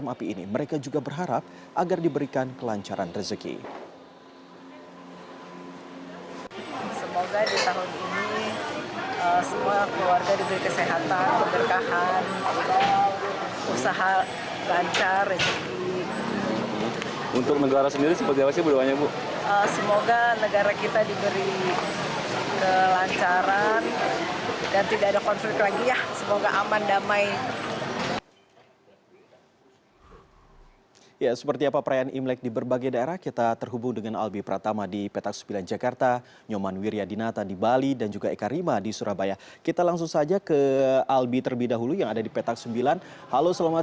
sampai jumpa di video selanjutnya